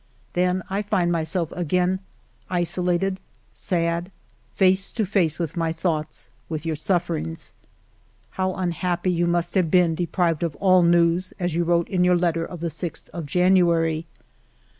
Then I find myself again isolated, sad, face to face with my thoughts, with your suffer ings. How unhappy you must have been, de prived of all news, as you wrote in your letter of the 6th of January